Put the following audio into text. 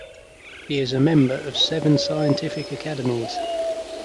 He is a member of seven Scientific Academies.